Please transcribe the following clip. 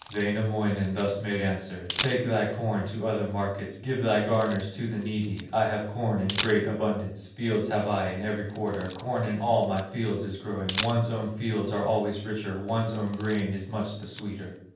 Wainamoinen thus made answer: "Take thy corn to other markets, Give thy garners to the needy; I have corn in great abundance, Fields have I in every quarter, Corn in all my fields is growing; One's own fields are always richer, One's own grain is much the sweeter."